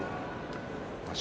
場所